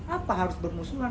apa harus bermusuhan